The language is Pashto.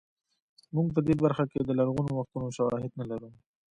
موږ په دې برخه کې د لرغونو وختونو شواهد نه لرو